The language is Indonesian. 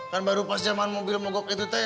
kan baru pas zaman mobil mogok itu teh